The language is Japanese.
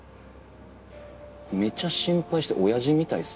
めちゃ心配してオヤジみたいっすね。